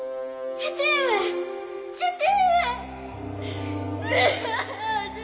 父上父上！